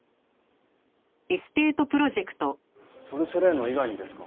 ソル・セレーノ以外にですか？